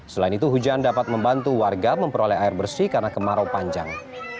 selain itu hujan dapat membantu warga memperoleh air bersih karena kemarau panjang